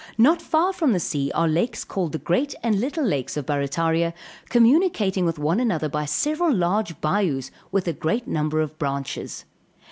Not far from the sea are lakes called the great and little lakes of Barrataria, communicating with one another by several large bayous with a great number of branches.